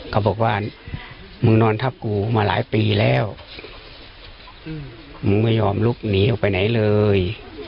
เขาบอกว่ามึงนอนทับกูมาหลายปีแล้วมึงไม่ยอมลุกหนีออกไปไหนเลย